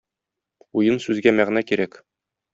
Уен сүзгә мәгънә кирәк.